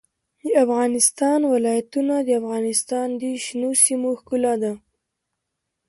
د افغانستان ولايتونه د افغانستان د شنو سیمو ښکلا ده.